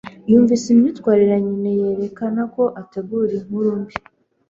Yumvise imyitwarire ya nyina yerekana ko ategura inkuru mbi.